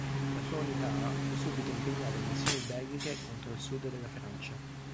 La sua unità fu subito impegnata in missioni belliche contro il sud della Francia.